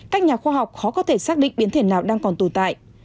các nhà khoa học khó có thể xác định biến thể nào đang còn tồn tại